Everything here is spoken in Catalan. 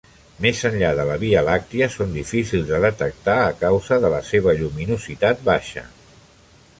Més enllà de la Via Làctia són difícils de detectar a causa de la seva lluminositat baixa.